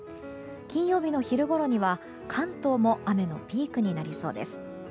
金曜日の昼ごろには関東も雨のピークになりそうです。